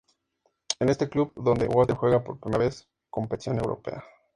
Es en este club donde Walter, juega por primera vez competición Europea.